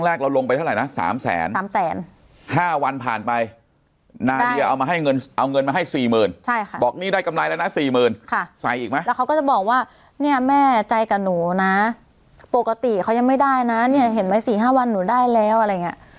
แล้วเขาก็จะบอกว่าเนี่ยแม่ใจกับหนูนะปกติเขายังไม่ได้นะเนี่ยเห็นไหม๔๕วันหนูได้แล้วอะไรอย่างนี้